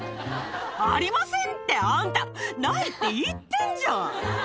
ありませんって、あんた、ないって言ってんじゃん。